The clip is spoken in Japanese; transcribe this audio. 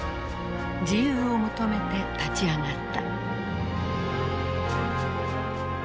自由を求めて立ち上がった。